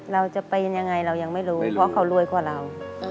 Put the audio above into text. เราจะเป็นยังไงเรายังไม่รู้เพราะเขารวยกว่าเรา